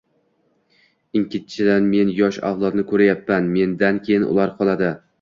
Ikkinchidan men yosh avlodni koʻryapman, mendan keyin ular qoladi.